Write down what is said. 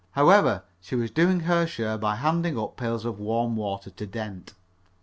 However, she was doing her share by handing up pails of warm water to Dent.